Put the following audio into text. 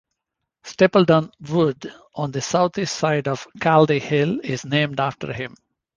Stapledon Wood, on the south-east side of Caldy Hill, is named after him.